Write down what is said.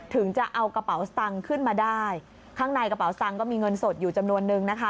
ถึงจะเอากระเป๋าสตังค์ขึ้นมาได้ข้างในกระเป๋าตังค์ก็มีเงินสดอยู่จำนวนนึงนะคะ